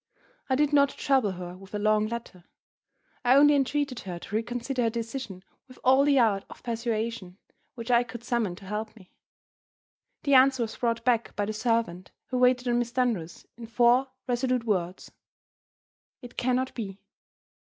I did not trouble her with a long letter; I only entreated her to reconsider her decision with all the art of persuasion which I could summon to help me. The answer was brought back by the servant who waited on Miss Dunross, in four resolute words: "It can not be."